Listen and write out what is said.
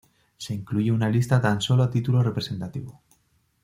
Se incluye una lista tan solo a título representativo.